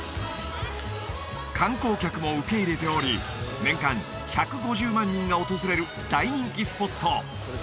観光客も受け入れており年間１５０万人が訪れる大人気スポット